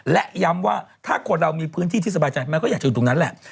และย้ำว่าถ้าคนเรามีพื้นที่ที่สบายใจมันก็อยากจะอยู่ตรงนั้นแหละ